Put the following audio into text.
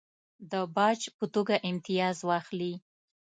د باج په توګه امتیاز واخلي.